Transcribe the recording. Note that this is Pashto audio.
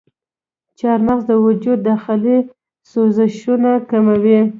چارمغز د وجود داخلي سوزشونه کموي.